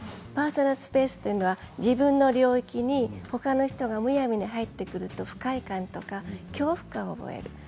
パーソナルスペースというのは自分の領域に、ほかの人がむやみに入ってくると不快感とか恐怖感を覚える。